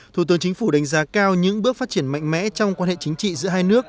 thủ tướng chính phủ đánh giá cao những bước phát triển mạnh mẽ trong quan hệ chính trị giữa hai nước